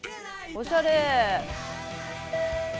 おしゃれ。